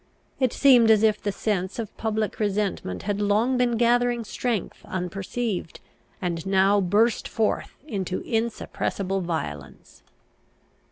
It seemed as if the sense of public resentment had long been gathering strength unperceived, and now burst forth into insuppressible violence.